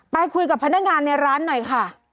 ไปคุยกับพนักงานในร้านหน่อยค่ะ